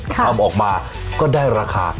ทำออกมาก็ได้ราคา